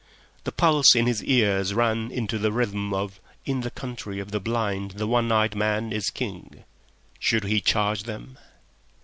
The pulse in his ears ran into the rhythm of "In the Country of the Blind the One Eyed Man is King." Should he charge them?